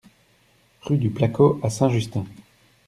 Rue du Placot à Saint-Justin